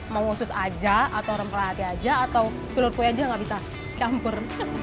mau sus aja atau rempah aja atau telur kue aja gak bisa campur